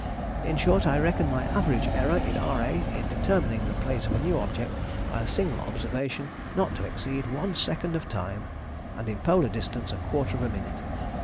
In short, I reckon my average error in R. A. in determining the place of a new object by a single observation, not to exceed one second of time, and in Polar distance a quarter of a minute.